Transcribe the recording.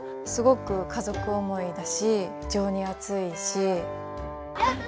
すごく家族思いだし情に厚いし。